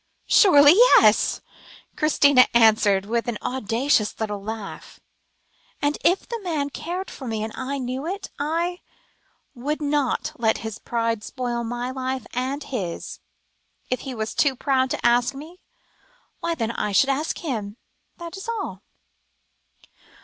"Surely yes," Christina answered with an audacious little laugh. "If the man cared for me, and I knew it, I would not let his pride spoil his life and mine. If he was too proud to ask me why, then, I should ask him that is all."